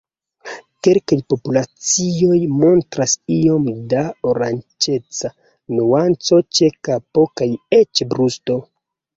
Kelkaj populacioj montras iom da oranĝeca nuanco ĉe kapo kaj eĉ brusto.